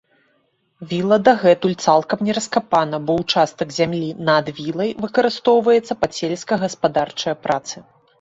Віла дагэтуль цалкам не раскапана, бо ўчастак зямлі над вілай выкарыстоўваецца пад сельска-гаспадарчыя працы.